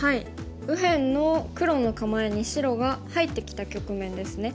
右辺の黒の構えに白が入ってきた局面ですね。